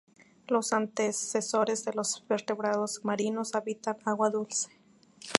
Los antecesores de los vertebrados marinos habitaban agua dulce.